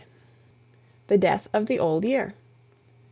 THE DEATH OF THE OLD YEAR.